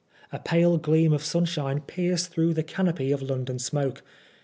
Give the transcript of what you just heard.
A pale gleam of sunshine pierced tlurough the canopy of London smoke.